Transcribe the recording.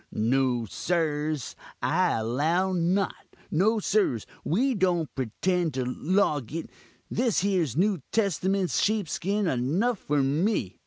No, sirs, I allow not; no, sirs, we don't pretend to loguk this here new testament's sheepskin enough for me.